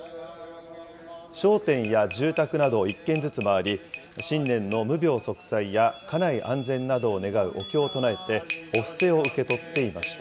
商店や住宅などを１軒ずつ回り、新年の無病息災や家内安全などを願うお経を唱えてお布施を受け取っていました。